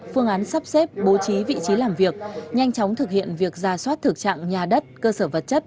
phương án sắp xếp bố trí vị trí làm việc nhanh chóng thực hiện việc ra soát thực trạng nhà đất cơ sở vật chất